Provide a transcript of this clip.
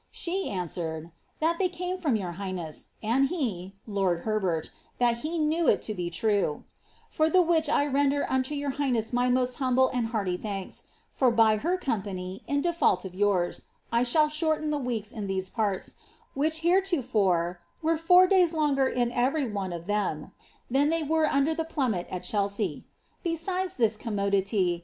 iShe an. wered, ^that they came from your highness ^^nd he (lord Her bert) that he know it tn be true,* fur the which I render unto your highness my most huniMo and hoarty thanks, for by her company, in default of yours, I shall ibortoii till* Weeks in these j>arts, which heretofure were four days longer in every one of thorn than thoy were under the plummet at Chelsea. Besides this eomnioitity.